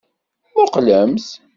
Muqqlemt.